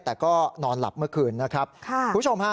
แต่ก็นอนหลับเมื่อคืนนะครับค่ะคุณผู้ชมฮะ